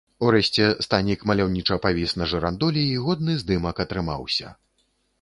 Урэшце, станік маляўніча павіс на жырандолі і годны здымак атрымаўся.